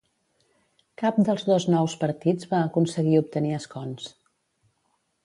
Cap dels dos nous partits va aconseguir obtenir escons.